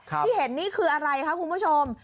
ที่เห็นนี่คืออะไรคะคุณผู้ชม